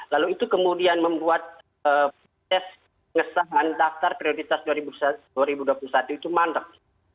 lalu itu kemudian membuat proses pengesahan daftar prioritas dua ribu dua puluh satu itu mandek